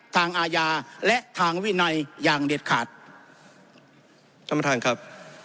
อาญาและทางวินัยอย่างเด็ดขาดท่านประธานครับ